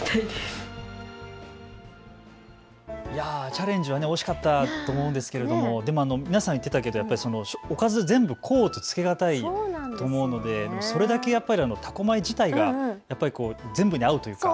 チャレンジは惜しかったと思うんですけれども、皆さん、言ってたけれどおかず全部、甲乙つけがたいと思うのでそれだけやっぱり多古米自体が全部に合うというか。